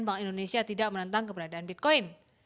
bank indonesia tidak menentang keberadaan bitcoin